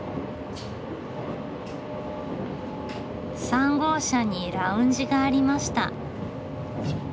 ３号車にラウンジがありました。